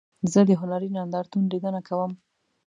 زه د هنري نندارتون لیدنه کوم.